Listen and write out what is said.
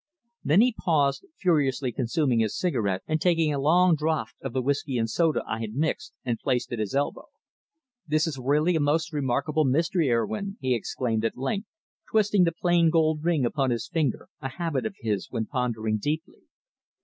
Then he paused, furiously consuming his cigarette and taking a long draught of the whisky and soda I had mixed and placed at his elbow. "This is really a most remarkable mystery, Urwin," he exclaimed at length, twisting the plain gold ring upon his finger, a habit of his when pondering deeply.